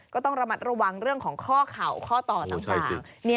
ก็ต้องระมัดระวังเรื่องของข้อเข่าข้อต่อต่าง